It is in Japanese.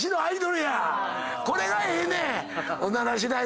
これがええねん。なあ！